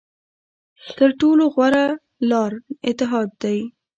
تر ټولو غوره لاره اتحاد دی.